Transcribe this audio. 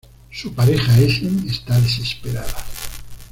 Su pareja Essen está desesperada.